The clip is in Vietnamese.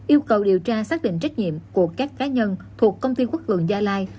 yêu cầu điều tra xác định trách nhiệm của các cá nhân thuộc công ty quốc cường gia lai